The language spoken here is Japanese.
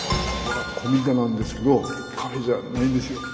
古民家なんですけどカフェじゃないんですよ。